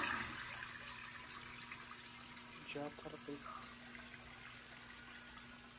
Сегодня наш новый государственный аппарат старается учитывать многоэтническое, многоязычное и многокультурное разнообразие нашей страны.